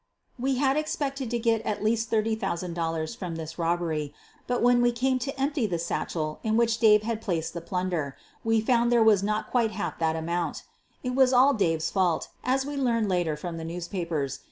We had expected to get at least $30,000 from this robbery, but when we came to empty the satchel in which Dave had placed the plunder, we found there was not quite half that amount. It was all Dave's fault, as we learned later from the news papers.